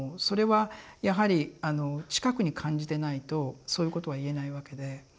それはやはり近くに感じてないとそういうことは言えないわけで。